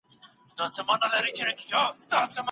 د الفاظو د سم تلفظ لپاره املا یوه ښه لار ده.